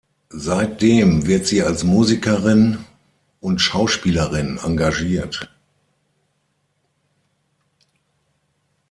Seitdem wird sie als Musikerin und Schauspielerin engagiert.